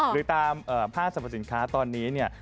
หรือตามห้างสรรพสินค้าตอนนี้เนี่ย